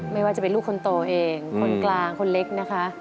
ไม่ว่าจะเป็นลูกคนโตเองคนกลางคนเล็กนะคะ